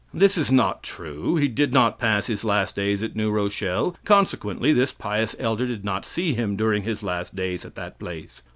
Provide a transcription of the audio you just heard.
This is not true. He did not pass his last days at New Rochelle, consequently, this pious elder did not see him during his last days at that place.